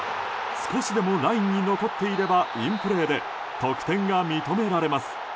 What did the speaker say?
少しでもラインに残っていればインプレーで得点が認められます。